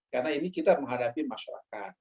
karena ini kita menghadapi masyarakat